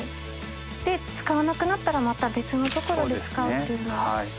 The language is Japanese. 使わなくなったらまた別の所で使うというのが。